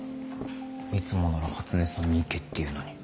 いつもなら初音さんに行けって言うのに。